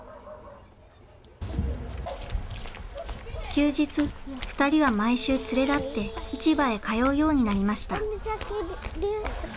休日２人は毎週連れ立って市場へ通うようになりました。